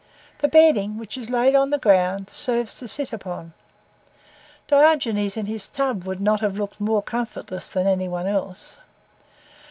The bedding, which is laid on the ground, serves to sit upon. Diogenes in his tub would not have looked more comfortless than any one else.